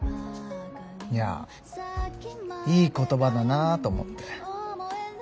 いやいい言葉だなと思って。